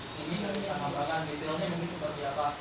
sini tadi saya ngobrolin detailnya mungkin seperti apa